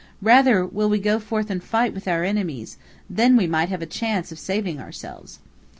Rather will we go forth and fight with our enemies, then we may have a chance of saving ourselves."